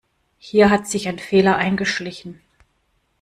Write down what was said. Hier hat sich ein Fehler eingeschlichen.